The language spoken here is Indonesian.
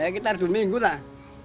sekitar dua minggu lah